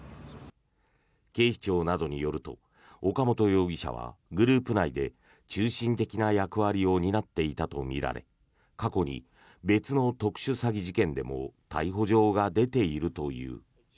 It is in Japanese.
警視庁などによると岡本容疑者はグループ内で中心的な役割を担っていたとみられ過去に別の特殊詐欺事件でも逮捕状が出ているという。